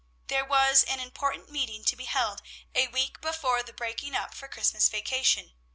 There was an important meeting to be held a week before the breaking up for the Christmas vacation.